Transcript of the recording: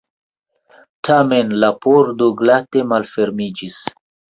Tamen la pordo glate malfermiĝis.